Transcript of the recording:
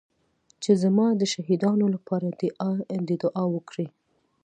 چې زما د شهيدانو لپاره دې دعا وکړي.